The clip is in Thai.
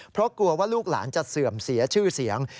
เพราะกลัวว่าลูกหลานจะเสื่อมเสียชื่อเสียง